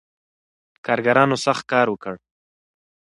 کارګرانو سخت کار وکړ.